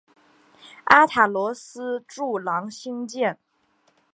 阿塔罗斯柱廊兴建。